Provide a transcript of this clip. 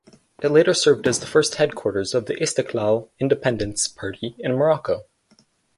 It later served as the first headquarters of the Istiqlal (Independence) party in Morocco.